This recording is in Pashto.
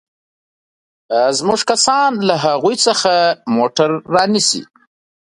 زموږ کسان له هغوى څخه موټر رانيسي.